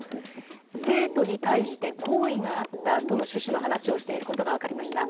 生徒に対して好意があったとの趣旨の話をしていることが分かりました。